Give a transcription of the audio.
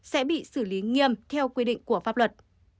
sẽ bị xử lý nghiêm theo quy định của pháp luật